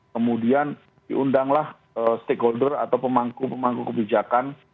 kemudian diundanglah stakeholder atau pemangku pemangku kebijakan